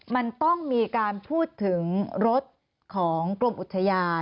มันต้องมีการพูดถึงรถของกรมอุทยาน